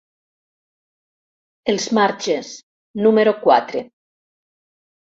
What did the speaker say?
Els Marges, número quatre.